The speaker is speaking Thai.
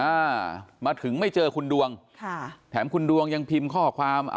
อ่ามาถึงไม่เจอคุณดวงค่ะแถมคุณดวงยังพิมพ์ข้อความอ่า